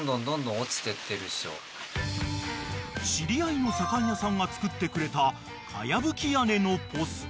［知り合いの左官屋さんが作ってくれたかやぶき屋根のポスト］